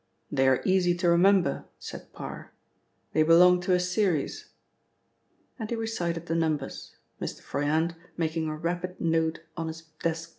"They are easy to remember," said Parr, "they belong to a series," and he recited the numbers, Mr. Froyant making a rapid note on his desk pad.